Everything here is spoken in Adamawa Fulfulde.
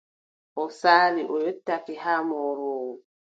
O saali, o yottake, haa o mooroowo.